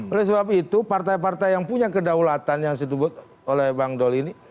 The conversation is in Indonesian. oleh sebab itu partai partai yang punya kedaulatan yang disebut oleh bang doli ini